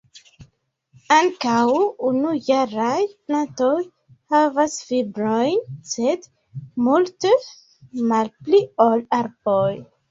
Ankaŭ unujaraj plantoj havas fibrojn, sed multe malpli ol arboj.